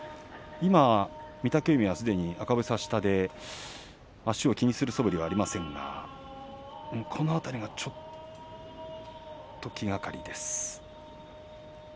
今、御嶽海はすでに赤房下で足を気にするそぶりはありませんがこの辺りがちょっと気がかりです。